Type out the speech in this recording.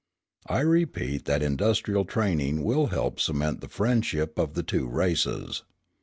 I repeat that industrial training will help cement the friendship of the two races.